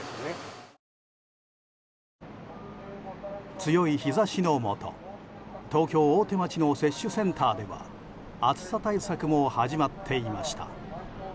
強い日差しの下東京・大手町の接種センターでは暑さ対策も始まっていました。